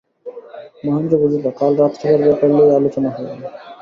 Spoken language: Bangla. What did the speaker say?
মহেন্দ্র বুঝিল, কাল রাত্রিকার ব্যাপার লইয়া আলোচনা হইবে।